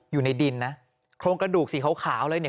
อยู่ในดินนะโครงกระดูกสีขาวเลยเนี่ย